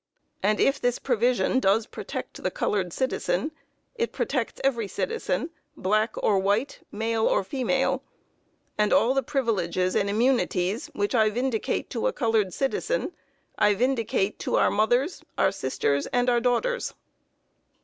And if this provision does protect the colored citizen, then it protects every citizen, black or white, male or female.... And all the privileges and immunities which I vindicate to a colored citizen, I vindicate to our mothers, our sisters and our daughters."